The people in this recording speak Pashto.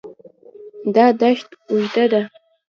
دا دښت اوږده ده.